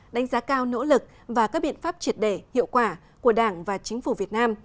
đánh giá cao nỗ lực và các biện pháp triệt đề hiệu quả của đảng và chính phủ việt nam